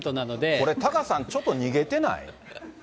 これ、タカさん、ちょっと逃げてない？